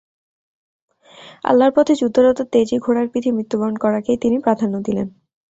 আল্লাহর পথে যুদ্ধরত তেজী ঘোড়ার পিঠে মৃত্যুবরণ করাকেই তিনি প্রাধান্য দিলেন।